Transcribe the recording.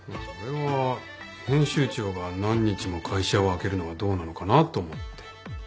それは編集長が何日も会社を空けるのはどうなのかなと思って。